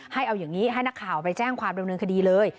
ให้เอาอย่างนี้ให้นักข่าวไปแจ้งความดำเนินคดีเลย